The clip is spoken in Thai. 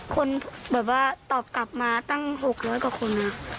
คนตอบกลับมาตั้ง๖๐๐กว่าคน